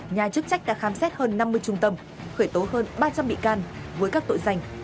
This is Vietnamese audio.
nhà chức trách đã khám xét hơn năm mươi trung tâm khởi tố hơn ba trăm linh bị can với các tội danh